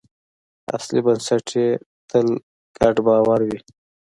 اصلي بنسټ یې تل ګډ باور وي.